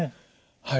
はい。